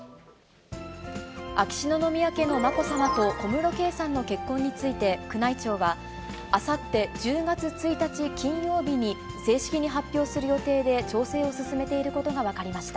秋篠宮家のまこさまと小室圭さんの結婚について、宮内庁は、あさって１０月１日金曜日に正式に発表する予定で調整を進めていることが分かりました。